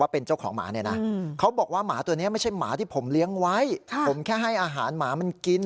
เป็นหมาที่ผมเลี้ยงไว้ผมแค่ให้อาหารหมามันกิน